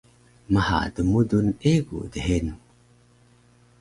maha dmudul egu dhenu